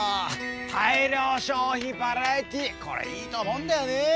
大量消費バラエティこれいいと思うんだよね！